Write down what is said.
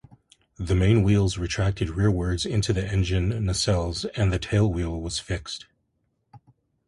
The main wheels retracted rearwards into the engine nacelles, and the tailwheel was fixed.